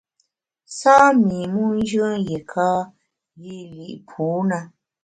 Sâ mi mu njùen yiéka yî li’ pû na.